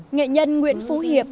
nghệ nhân nguyễn phú hiệp